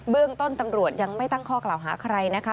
เรื่องต้นตำรวจยังไม่ตั้งข้อกล่าวหาใครนะคะ